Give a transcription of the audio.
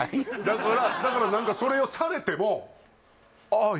だからだから何かそれをされてもああ